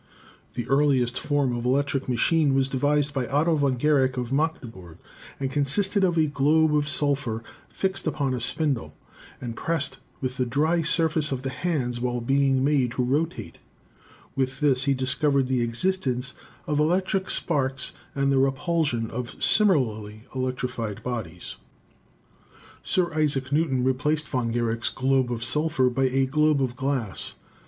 "The earliest form of electric machine was devised by Otto von Guericke of Magdeburg, and consisted of a globe of sulphur fixed upon a spindle, and pressed with the dry surface of the hands while being made to rotate; with this he discovered the existence of electric sparks and the repulsion of similarly electrified bodies. Sir Isaac New ton replaced Von Guericke's globe of sulphur by a globe of glass.